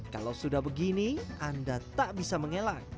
kalau sudah begini anda tak bisa mengelak